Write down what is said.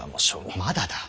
まだだ。